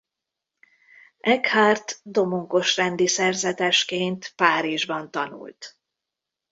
Eckhart Domonkos-rendi szerzetesként Párizsban tanult.